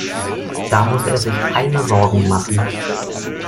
Da muss er sich keine Sorgen machen!